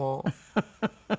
フフフフ。